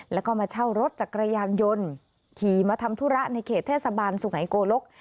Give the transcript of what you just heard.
แล้วก็มาเช่ารถจักรยานยนต์ขี่มาทำธุระในเขตเทศบาลสุไงโกลก